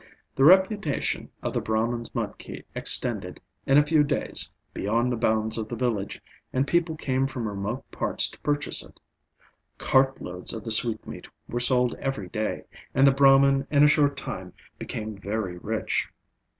The reputation of the Brahman's mudki extended, in a few days, beyond the bounds of the village, and people came from remote parts to purchase it. Cartloads of the sweetmeat were sold every day, and the Brahman in a short time became very rich.